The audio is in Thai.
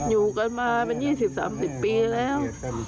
อยู่กันมาเป็น๒๐๓๐ปีแล้ว